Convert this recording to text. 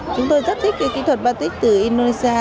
chúng tôi rất thích cái kỹ thuật baltic từ indonesia